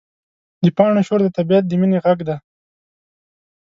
د پاڼو شور د طبیعت د مینې غږ دی.